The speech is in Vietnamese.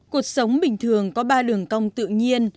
cuộc sống bình thường có ba đường cong tự nhiên